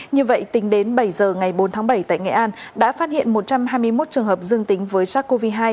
như vậy tính đến bảy giờ ngày bốn tháng bảy tại nghệ an đã phát hiện một trăm hai mươi một trường hợp dương tính với sars cov hai